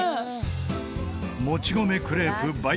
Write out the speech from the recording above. もち米クレープバイ